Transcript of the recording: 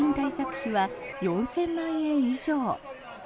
費は４０００万円以上。